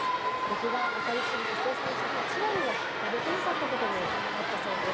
日が当たりすぎて生産した８割が出荷できなかったこともあったそうです。